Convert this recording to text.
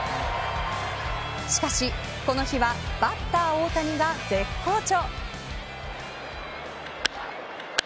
しかし、この日はバッター大谷が絶好調。